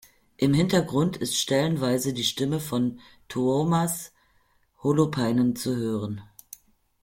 Im Hintergrund ist stellenweise die Stimme von Tuomas Holopainen zu hören.